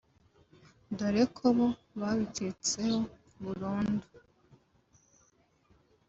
dore ko bo ngo babicitseho burundu